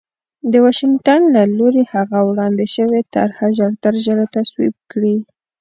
د واشنګټن له لوري هغه وړاندې شوې طرح ژرترژره تصویب کړي